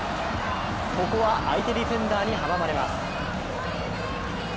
ここは相手ディフェンダーに阻まれます。